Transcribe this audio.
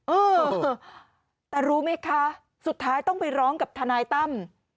เออแต่รู้ไหมคะสุดท้ายต้องไปร้องกับทนายตั้ม